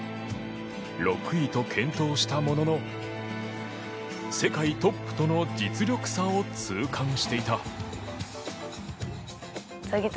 ６位と健闘したものの世界トップとの実力差を痛感していた。